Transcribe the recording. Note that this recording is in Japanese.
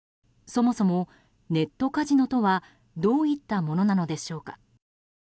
そもそもネットカジノとはどういったものなのでしょうか。